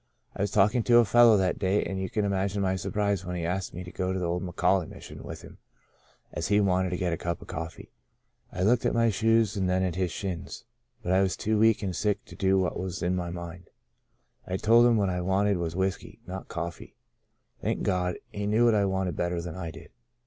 I was talking to a fellow that day and you can imagine my surprise when he asked me to go to the old McAuley Mission with him, as he wanted to get a cup of coffee. I looked at my shoes and then at his shins, but I was too weak and sick to do what was in my mind. I told him what I wanted was whiskey, not cofiee. Thank God, he knew what I wanted better than I did.